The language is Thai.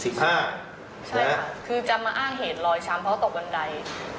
ใช่ค่ะคือจะมาอ้างเหตุรอยช้ำเพราะตกบันได